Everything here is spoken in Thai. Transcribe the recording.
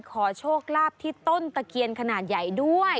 ขอโชคลาภที่ต้นตะเคียนขนาดใหญ่ด้วย